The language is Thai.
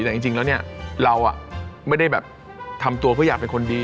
แต่จริงแล้วเนี่ยเราไม่ได้แบบทำตัวเพื่ออยากเป็นคนดี